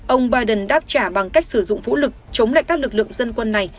ông biden đáp trả bằng cách sử dụng vũ lực chống lại các lực lượng dân quân này